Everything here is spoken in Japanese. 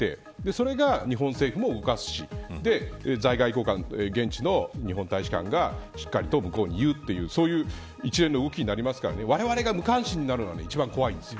それが日本政府を動かすし現地の日本大使館がしっかりと向こうに言うというそういう一連の動きになりますからわれわれが無関心になるのが一番怖いです。